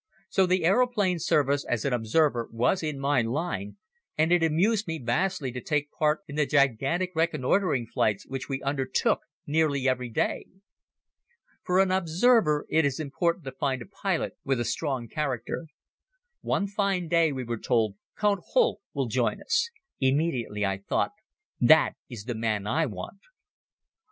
So the Aeroplane Service as an observer was in my line and it amused me vastly to take part in the gigantic reconnoitering flights which we undertook nearly every day. For an observer it is important to find a pilot with a strong character. One fine day we were told, "Count Holck will join us." Immediately I thought, "That is the man I want."